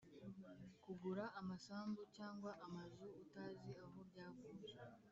kugura amasambu cyangwa amazu utazi aho byavuye